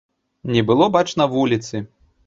Не было бачна вуліцы.